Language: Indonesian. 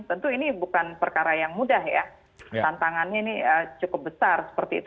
tentu ini bukan perkara yang mudah ya tantangannya ini cukup besar seperti itu